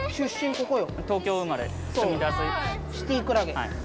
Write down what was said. ここよ。